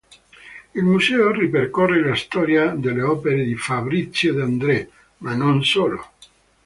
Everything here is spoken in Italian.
Il museo ripercorre la storia delle opere di Fabrizio De Andrè, ma non solo.